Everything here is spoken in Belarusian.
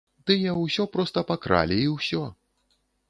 Тыя ўсё проста пакралі і ўсё!